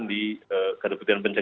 tidak tidak tidak